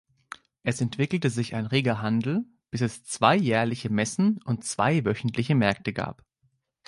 Es entwickelte sich ein reger Handel, bis es zwei jährliche Messen und zwei wöchentliche Märkte gab.